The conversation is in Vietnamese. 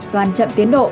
toàn chậm tiến độ